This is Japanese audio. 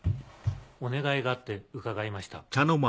お願いがあって伺いました。